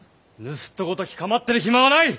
盗人ごとき構ってる暇はない！